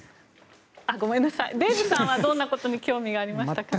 デーブさんはどんなことに興味がありましたか？